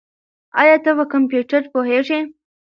ایا ته په کمپیوټر پوهېږې؟